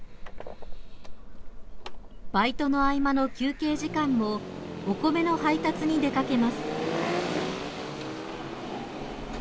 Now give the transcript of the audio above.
バイトの合間の休憩時間もお米の配達に出かけます。